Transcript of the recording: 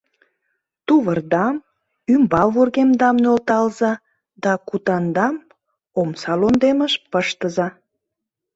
— Тувырдам, ӱмбал вургемдам нӧлталза да кутандам омса лондемыш пыштыза.